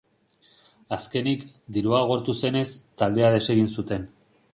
Azkenik, dirua agortu zenez, taldea desegin zuten.